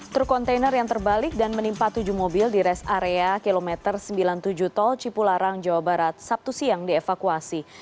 truk kontainer yang terbalik dan menimpa tujuh mobil di res area kilometer sembilan puluh tujuh tol cipularang jawa barat sabtu siang dievakuasi